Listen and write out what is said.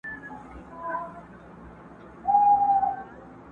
که دي دا هډوکی وکېښ زما له ستوني٫